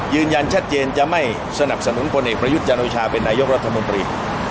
ยืนยันชัดเจนจะไม่สนับสนุนพลเอกประยุทธ์จันโอชาเป็นนายกรัฐมนตรี